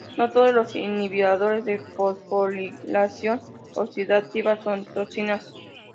No todos los inhibidores de la fosforilación oxidativa son toxinas.